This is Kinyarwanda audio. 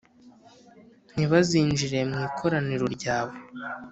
«Ntibazinjire mu ikoraniro ryawe!»